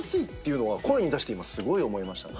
いうのは声に出して今すごい思いました。